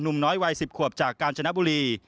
หนุ่มน้อยวัย๑๐ขวบจากการชนะบุรี